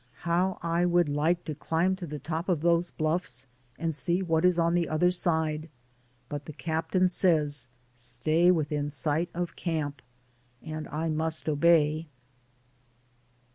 How I would like to climb to the top of those bluffs, and see what is on the other side, but the captain says, ''Stay within sight of camp." And I must obey.